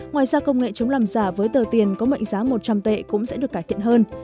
ngoài ra công nghệ chống làm giả với tờ tiền có mệnh giá một trăm linh tệ cũng sẽ được cải thiện hơn